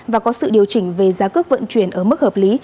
và có sự điều chỉnh về giá cước vận chuyển ở mức hợp lý